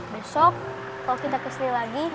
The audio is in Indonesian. besok kalau kita kesini lagi